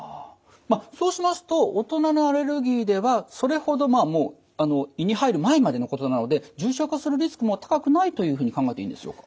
そうしますと大人のアレルギーでは胃に入る前までのことなので重症化するリスクも高くないというふうに考えていいんでしょうか？